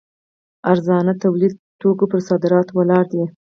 ارزانه تولیدي توکو پر صادراتو ولاړ دی.